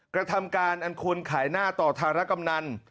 กระทำการอันควรขายหน้าต่อธารกำนัน